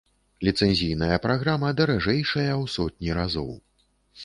Ліцэнзійная праграма даражэйшая ў сотні разоў.